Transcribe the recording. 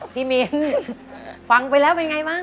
พี่มิ้นฟังไปแล้วเป็นไงบ้าง